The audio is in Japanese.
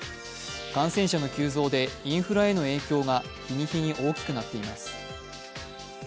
感染者の急増でインフラへの影響が日に日に大きくなっています。